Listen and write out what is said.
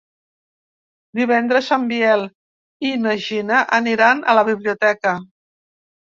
Divendres en Biel i na Gina aniran a la biblioteca.